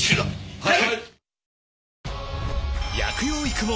はい！